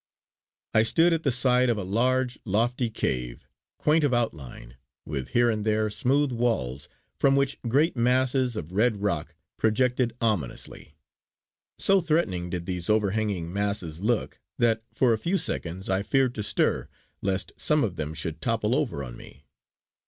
I stood at the side of a large, lofty cave, quaint of outline, with here and there smooth walls from which great masses of red rock projected ominously. So threatening did these overhanging masses look, that for a few seconds I feared to stir lest some of them should topple over on me.